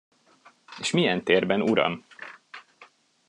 És milyen térben, uram?